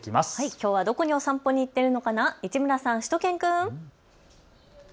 きょうはどこにお散歩に行っているのかな、市村さん、しゅと犬くん。